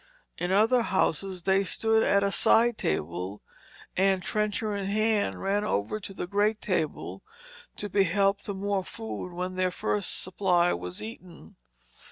In other houses they stood at a side table; and, trencher in hand, ran over to the great table to be helped to more food when their first supply was eaten.